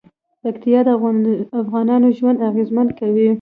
پکتیا د افغانانو ژوند اغېزمن کوي.